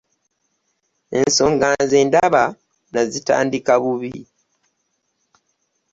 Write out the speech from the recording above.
Ensonga nze ndaba nazitandika bubi.